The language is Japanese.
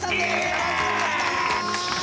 よろしくお願いします！